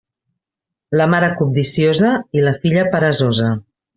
La mare cobdiciosa i la filla peresosa.